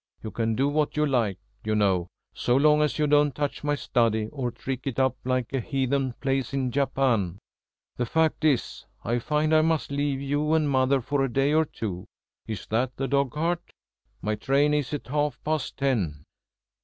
You can do what you like, you know so long as you don't touch my study, or trick it up like a heathen place in Japan. The fact is, I find I must leave you and mother for a day or two. Is that the dogcart? My train is at half past ten."